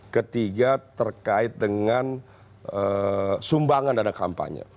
ketiga terkait dengan sumbangan dana kampanye